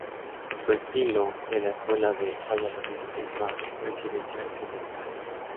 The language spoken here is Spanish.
Su estilo, de la Escuela de Valladolid, es más residencial que militar.